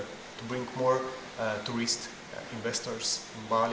untuk membawa lebih banyak pelabur turis ke bali